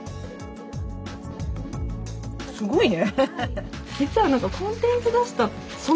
すごいね。